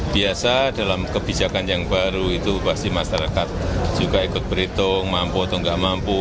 biasa dalam kebijakan yang baru itu pasti masyarakat juga ikut berhitung mampu atau enggak mampu